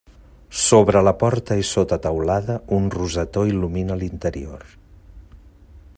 Sobre la porta i sota teulada un rosetó il·lumina l'interior.